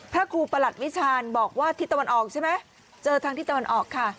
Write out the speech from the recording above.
พระครูประหลัดวิชาณบอกว่าทิศตะวันออกใช่ไหมเจอทางที่ตะวันออกค่ะ